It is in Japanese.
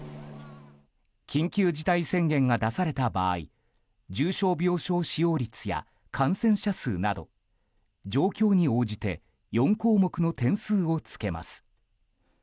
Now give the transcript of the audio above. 緊急事態宣言が出された場合重症病床使用率や感染者数など状況に応じて４項目の点数を付けます。